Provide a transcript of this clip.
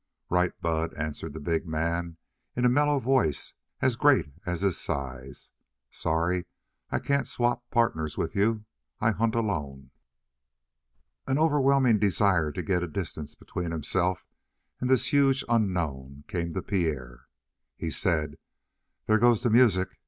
"Right, Bud," answered the big man in a mellow voice as great as his size. "Sorry I can't swap partners with you, but I hunt alone." An overwhelming desire to get a distance between himself and this huge unknown came to Pierre. He said: "There goes the music.